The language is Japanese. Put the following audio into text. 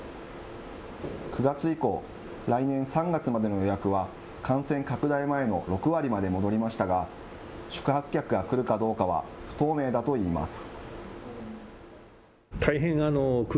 ９月以降、来年３月までの予約は、感染拡大前の６割まで戻りましたが、宿泊客が来るかどうかは不透明だといいます。